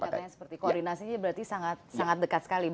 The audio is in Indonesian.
pendekatan seperti koordinasi berarti sangat dekat sekali